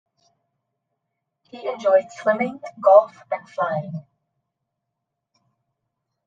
He enjoyed swimming, golf and flying.